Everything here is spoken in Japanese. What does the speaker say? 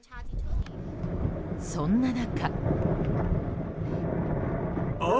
そんな中。